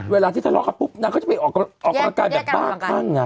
เวลาที่ทะเลาะกันปุ๊บนางก็จะไปออกกำลังกายแบบบ้าคั่ง